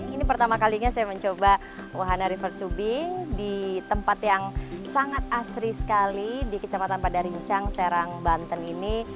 ini pertama kalinya saya mencoba wahana river tubing di tempat yang sangat asri sekali di kecamatan padarincang serang banten ini